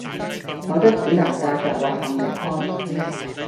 否則只能帶著遺憾離開